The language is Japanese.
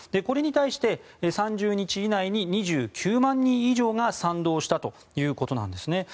これに対して３０日以内に２９万人以上が賛同したということなんです。